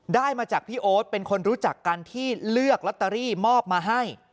ได้มาจากพี่โอ๊ตเป็นคนรู้จักกันที่เลือกลอตเตอรี่มอบมาให้